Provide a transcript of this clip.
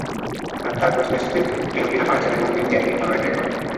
তার প্রথম স্ত্রী মেলভিনা মারা যান এবং ডেনিনি পুনরায় বিয়ে করেন।